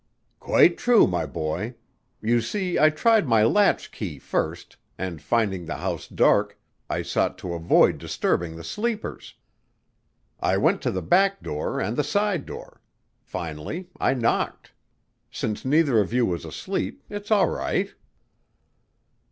"Quite true, my boy. You see I tried my latch key first, and finding the house dark, I sought to avoid disturbing the sleepers. I went to the back door and the side door. Finally I knocked. Since neither of you was asleep it's all right."